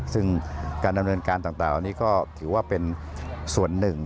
ซึ่งการดำเนินการต่างเหล่านี้ก็ถือว่าเป็นส่วนหนึ่ง